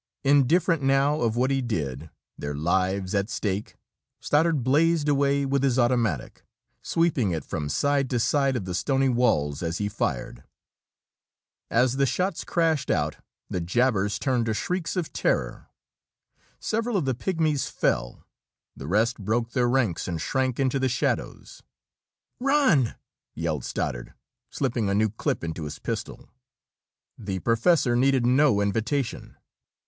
Indifferent now of what he did, their lives at stake, Stoddard blazed away with his automatic, sweeping it from side to side of the stony walls as he fired. As the shots crashed out, the jabbers turned to shrieks of terror. Several of the pigmies fell. The rest broke their ranks and shrank into the shadows. "Run!" yelled Stoddard, slipping a new clip into his pistol. The professor needed no invitation.